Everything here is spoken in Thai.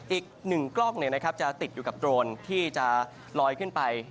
อีกหนึ่งกล้องเนี้ยนะครับจะติดอยู่กับโดรนที่จะลอยขึ้นไป